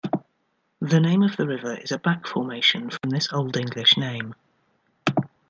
The name of the river is a back-formation from this Old English name.